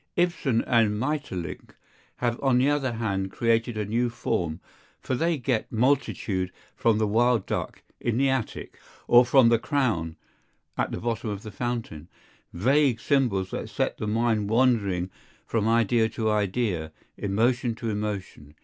Ibsen and Maeterlinck have on the other hand created a new form, for they get multitude from the Wild Duck in the Attic, or from the Crown at the bottom of the Fountain, vague symbols that set the mind wandering from idea to idea, emotion to emotion.